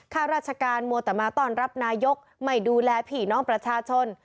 ข้าราชการมัวแต่มาต้อนรับนายกไม่ดูแลผีน้องประชาชน